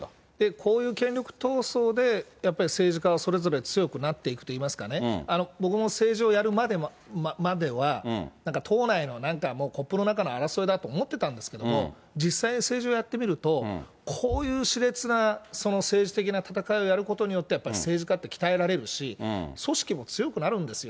こういう権力闘争で、やっぱり政治家はそれぞれ強くなっていくといいますかね、僕も政治をやるまでは、党内のなんかもうコップの中の争いだと思ってたんですけども、実際に政治をやってみると、こういうしれつなその政治的な戦いをやることによって、やっぱり政治家って鍛えられるし、組織も強くなるんですよ。